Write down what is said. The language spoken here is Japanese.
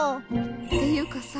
っていうかさ